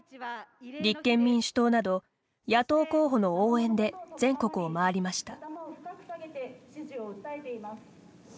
立憲民主党など野党候補の応援で全国を回りました。